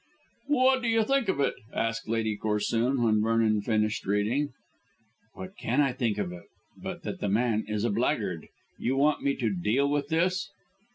"What do you think of it?" asked Lady Corsoon when Vernon finished reading. "What can I think of it, but that the man is a blackguard. You want me to deal with this?"